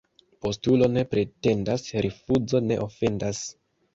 Postulo ne pretendas, rifuzo ne ofendas.